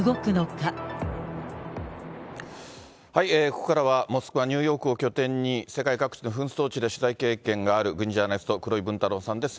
ここからは、モスクワ、ニューヨークを拠点に、世界各地の紛争地で取材経験がある軍事ジャーナリスト、黒井文太郎さんです。